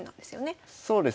そうですねはい。